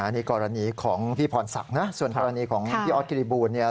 นี่กรณีของพี่พรศักดิ์นะส่วนกรณีของพี่ออสกิริบูลเนี่ย